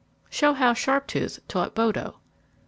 _ _Show how Sharptooth taught Bodo.